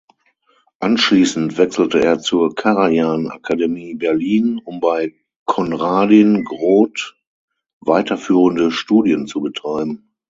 Anschließend wechselte er zur Karajan-Akademie Berlin, um bei Konradin Groth weiterführende Studien zu betreiben.